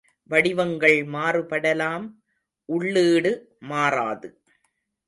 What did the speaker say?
வடிவங்கள் மாறுபடலாம் உள்ளீடு மாறாது.